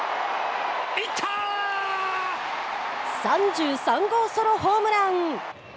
３３号ソロホームラン。